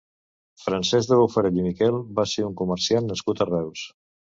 Francesc de Bofarull i Miquel va ser un comerciant nascut a Reus.